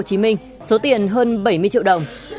hồ chí minh thành phố hồ chí minh số tiền hơn bảy mươi triệu đồng